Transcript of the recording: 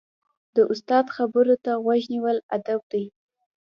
د استاد خبرو ته غوږ نیول ادب دی.